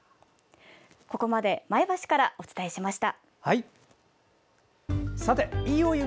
ここまで前橋からお伝えしました。